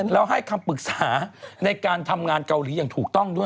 แล้วให้คำปรึกษาในการทำงานเกาหลีอย่างถูกต้องด้วย